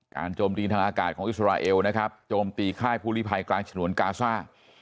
โจมตีทางอากาศของอิสราเอลนะครับโจมตีค่ายภูริภัยกลางฉนวนกาซ่า